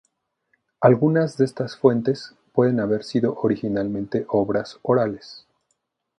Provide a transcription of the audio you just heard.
Algunas de estas fuentes pueden haber sido originalmente obras orales.